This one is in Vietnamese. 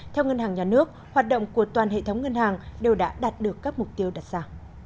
theo ngân hàng nhà nước hoạt động của toàn hệ thống ngân hàng đều đã đạt được các mục tiêu đặt ra